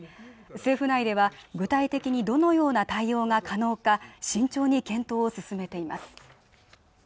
政府内では具体的にどのような対応が可能か慎重に検討を進めています